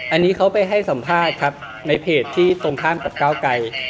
อันนี้เขาไปให้สัมภาษณ์ครับในเพจที่ตรงข้ามกับก้าวไกร